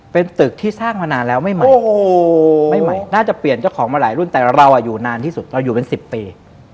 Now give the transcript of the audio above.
เป็นตึกที่สร้างมานานแล้วไม่ใหม่ไม่ใหม่น่าจะเปลี่ยนเจ้าของมาหลายรุ่นแต่เราอยู่นานที่สุดเราอยู่เป็น๑๐ปี